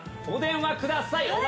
お電話ください。